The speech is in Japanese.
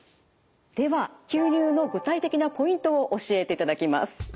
では吸入の具体的なポイントを教えていただきます。